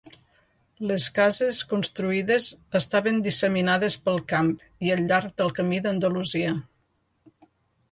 Les cases construïdes estaven disseminades pel camp i al llarg del camí d'Andalusia.